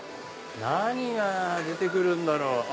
何が出て来るんだろう？